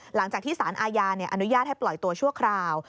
หลังจากที่สารอาญาอนุญาตให้ปล่อยตัวชั่วคราว